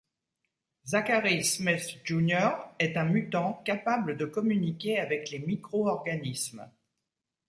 Zachary Smith Jr est un mutant capable de communiquer avec les micro-organismes.